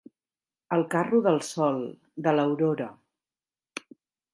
El carro del Sol, de l'Aurora.